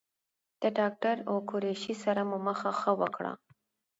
د ډاکټر او قریشي سره مو مخه ښه وکړه.